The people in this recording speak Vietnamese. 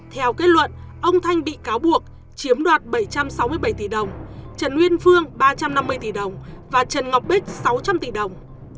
theo kết luận ông thanh bị cáo buộc chiếm đoạt bảy trăm sáu mươi bảy tỷ đồng trần nguyên phương ba trăm năm mươi tỷ đồng và trần ngọc bích sáu trăm linh tỷ đồng